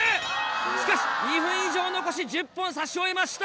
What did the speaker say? しかし２分以上残し１０本さし終えました。